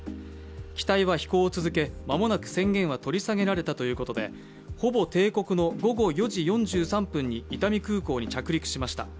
機体は飛行を続け、間もなく宣言は取り下げられたということで、ほぼ定刻の午後４時４３分に伊丹空港に到着しました。